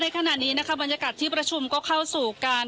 ขณะนี้นะคะบรรยากาศที่ประชุมก็เข้าสู่การ